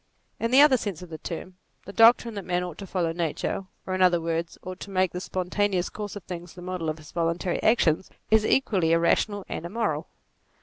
In the other sense of the term, the doctrine that man ought to follow nature, or in other words, ought to make the spontaneous course of things the model of his voluntary actions, is equally irrational and im moral.